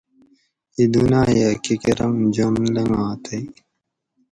اِیں دُناۤیہ کہ کۤرم جون لنگا تئی